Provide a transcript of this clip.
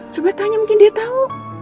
coba tanya mungkin dia tahu